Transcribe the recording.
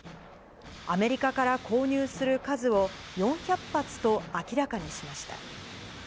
アメリカから購入する数を、４００発と明らかにしました。